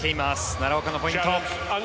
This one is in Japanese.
奈良岡のポイント。